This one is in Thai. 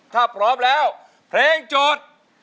ถ้าพร้อมแล้วเพลงโจทย์